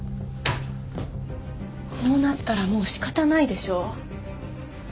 こうなったらもう仕方ないでしょ。